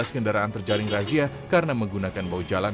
lima belas kendaraan terjaring razia karena menggunakan bau jalan